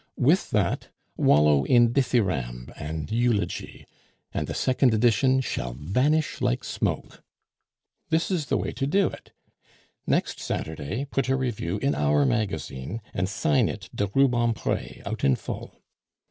With that, wallow in dithyramb and eulogy, and the second edition shall vanish like smoke. This is the way to do it. Next Saturday put a review in our magazine, and sign it 'de Rubempre,' out in full.